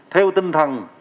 theo tinh thần